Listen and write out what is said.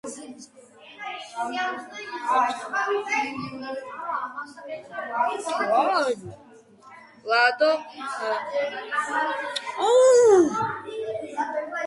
ლადო გეგეჭკორის ვაჟი ცნობილი მსახიობი, საქართველოს სახალხო არტისტი გოგი გეგეჭკორი იყო.